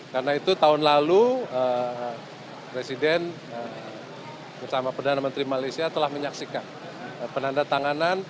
karena itu tahun lalu presiden bersama perdana menteri malaysia telah menyaksikan penanda tanganan